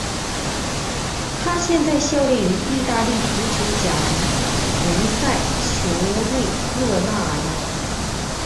他现在效力于意大利足球甲级联赛球队热那亚。